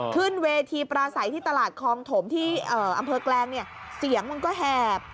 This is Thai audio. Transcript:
ขึ้นเวทีปราศัยที่ตลาดคลองถมที่อำเภอแกลงเนี่ยเสียงมันก็แหบ